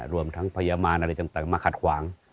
รวมทั้งพยาบาลอะไรต่างมาขัดขวาง